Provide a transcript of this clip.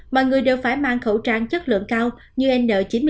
mà người đều phải mang khẩu trang chất lượng cao như n chín mươi năm